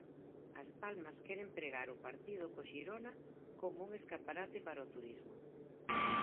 As Palmas quere empregar o partido co Xirona como un escaparate para o turismo.